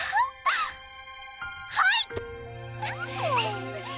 はい！